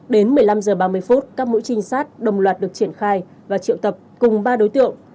đến một mươi năm h ba mươi các mũi trinh sát đồng loạt được triển khai và triệu tập cùng ba đối tượng